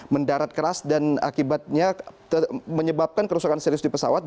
mendarat keras dan akibatnya menyebabkan kerusakan serius di pesawat